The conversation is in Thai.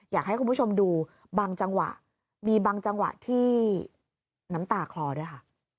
อยากให้คุณผู้ชมดูบางจังหวะมีบางจังหวะที่น้ำตาคลอด้วยค่ะ